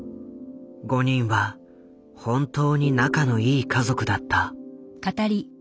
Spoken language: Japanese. ５人は本当に仲のいい家族だった。